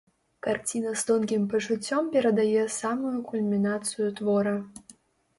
Карціна з тонкім пачуццём перадае самую кульмінацыю твора.